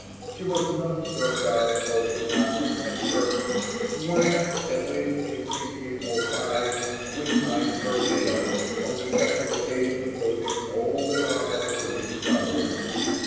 She was not turned out of the castle at first. Twice at least in 1605 we find her there, on the second occasion causing all the armour to be scoured.